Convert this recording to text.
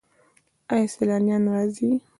آیا سیلانیان راځي؟